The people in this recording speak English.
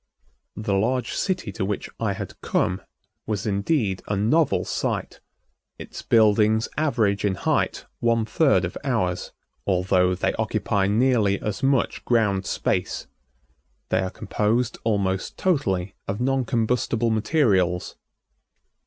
The large city to which I had come was indeed a novel sight. Its buildings average in height one third of ours, although they occupy nearly as much ground space. They are composed almost totally of non combustible materials.